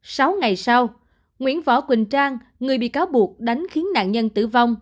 sáu ngày sau nguyễn võ quỳnh trang người bị cáo buộc đánh khiến nạn nhân tử vong